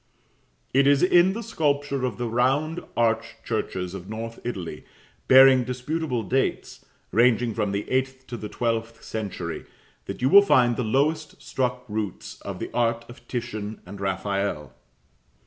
It is in the sculpture of the round arched churches of North Italy, bearing disputable dates, ranging from the eighth to the twelfth century, that you will find the lowest struck roots of the art of Titian and Raphael.